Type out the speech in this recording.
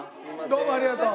どうもありがとう。